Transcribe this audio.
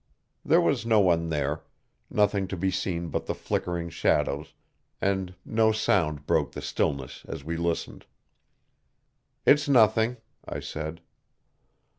There was no one there nothing to be seen but the flickering shadows, and no sound broke the stillness as we listened. "It's nothing," I said.